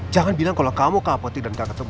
jangan bilang kalau kamu ke apotek dan gak ketemu